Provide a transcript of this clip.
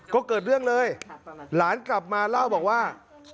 ก็เกิดเรื่องเลยหลานกลับมาเล่าบอกว่า